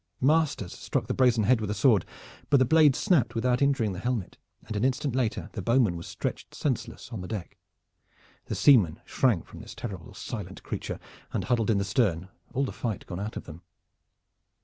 Masters struck the brazen head with a sword, but the blade snapped without injuring the helmet, and an instant later the bowman was stretched senseless on the deck. The seamen shrank from this terrible silent creature and huddled in the stern, all the fight gone out of them.